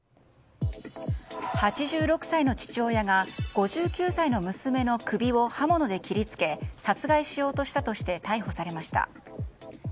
８６歳の父親が５９歳の娘の首を刃物で切り付け殺害しようとしたとして逮捕されました。